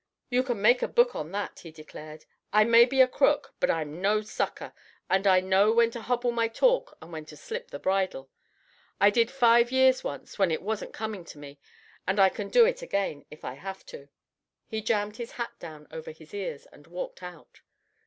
"You can make a book on that," he declared. "I may be a crook, but I'm no sucker, and I know when to hobble my talk and when to slip the bridle. I did five years once when it wasn't coming to me, and I can do it again if I have to." He jammed his hat down over his ears, and walked out.